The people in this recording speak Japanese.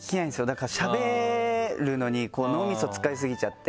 だからしゃべるのに脳みそ使いすぎちゃって。